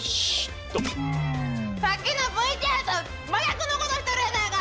さっきのＶＴＲと真逆のことしとるやないか！